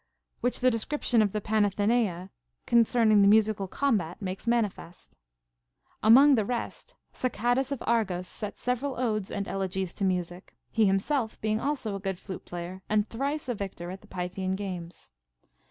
Which the description of the Panathenaea concerning the musical combat makes manifest. Among the rest, Sacadas of Argos set several odes and elegies to music, he himself being also a good flute player and thrice a victor at the Pythian games.